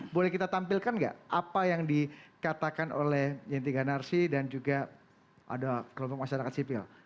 boleh kita tampilkan nggak apa yang dikatakan oleh yenti ganarsi dan juga ada kelompok masyarakat sipil